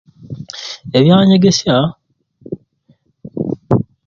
Ebyanyegesya